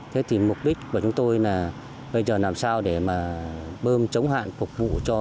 thế thì mục đích của chúng tôi là bây giờ làm sao để mà bơm chống hạn phục vụ cho